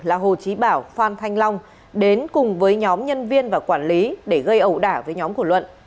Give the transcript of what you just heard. là hồ chí bảo phan thanh long đến cùng với nhóm nhân viên và quản lý để gây ẩu đả với nhóm của luận